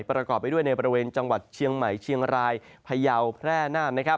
ประกอบไปด้วยในบริเวณจังหวัดเชียงใหม่เชียงรายพยาวแพร่นาน